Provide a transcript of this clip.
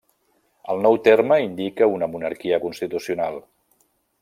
El nou terme indica una monarquia constitucional.